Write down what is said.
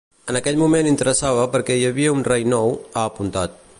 En aquell moment interessava perquè hi havia un rei nou, ha apuntat.